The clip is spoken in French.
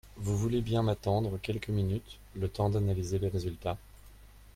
Vous voulez bien m’attendre quelques minutes, le temps d’analyser les résultats.